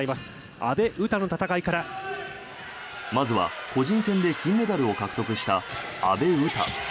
まずは個人戦で金メダルを獲得した阿部詩。